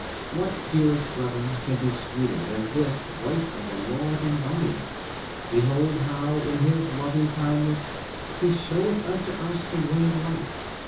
What, dearest brethren, can be sweeter, than this voice of the Lord, inviting us? Behold how in His loving Kindness He showeth unto us the way of life!